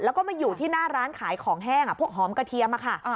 แล้วก็มาอยู่ที่หน้าร้านขายของแห้งพวกหอมกระเทียมค่ะ